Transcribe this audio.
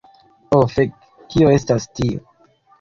Ho fek, kio estas tio?